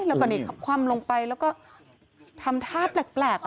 แล้วก็นี้คลับความลงไปแล้วก็ทำทศาสตร์แปลก